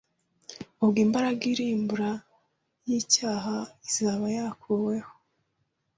ubwo imbaraga irimbura y’icyaha izaba yakuweho